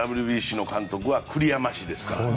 ＷＢＣの監督は栗山氏ですから。